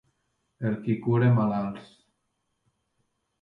El qui cura malalts.